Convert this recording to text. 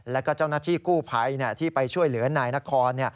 และเจ้าหน้าที่กู้ไพที่ช่วยเหลือนายนะคร